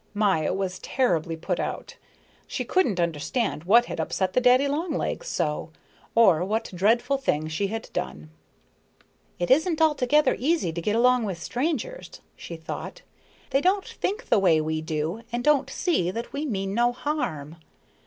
Maya was terribly put out. She couldn't understand what had upset the daddy long legs so, or what dreadful thing she had done. "It isn't altogether easy to get along with strangers," she thought. "They don't think the way we do and don't see that we mean no harm."